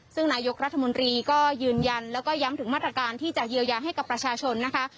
ซึ่งนายกรัฐมนตรีก็ยืนยันแล้วก็ย้ำถึงมาตรการที่จะเยียวยาให้กับประชาชนนะคะ